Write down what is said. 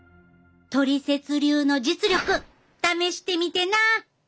トリセツ流の実力試してみてな！